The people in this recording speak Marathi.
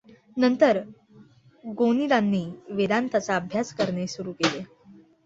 नंतर गोनीदांनी वेदान्ताचा अभ्यास करणे सुरू केले.